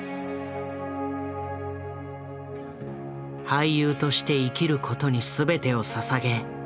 俳優として生きることに全てをささげ